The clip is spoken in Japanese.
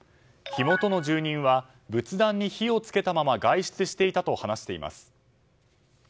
火元の住人は仏壇に火を付けたまま外出していたと話しています。